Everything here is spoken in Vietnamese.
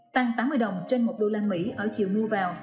tăng tám mươi đồng trên một đô la mỹ ở chiều mua vào